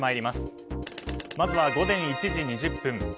まずは午前１時２０分。